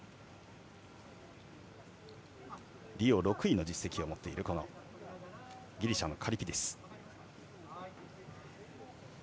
リオ、６位の実績を持っているギリシャのカリピディス。